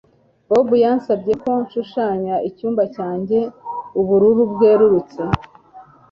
Bobo yansabye ko nshushanya icyumba cyanjye ubururu bwerurutse